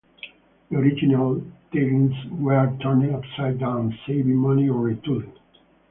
The original taillights were turned upside down, saving money on retooling.